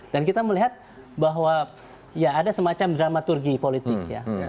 dan kita melihat bahwa ya ada semacam dramaturgi politik ya